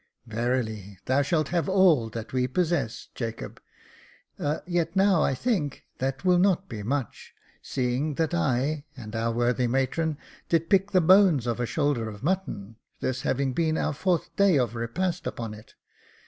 " Verily, shalt thou have all that we possess, Jacob ; yet now, I think, that will not be much, seeing that I and our worthy matron did pick the bones of a shoulder of mutton, this having been our fourth day of repast upon it.